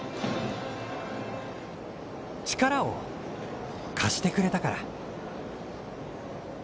力を貸してくれたから。